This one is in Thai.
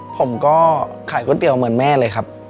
ผมก็ขายก๋วยเตี๋ยวเหมือนแม่เลยครับ